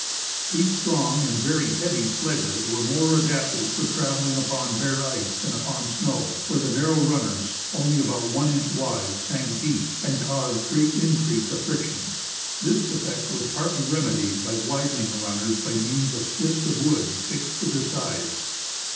These strong and very heavy sledges were more adapted for travel ling upon bare ice than upon snow, where the narrow runners, only about one inch wide, sank deep, and caused great increase of friction. This defect was partly remedied by widening the runners by means of slips of wood fixed to their sides.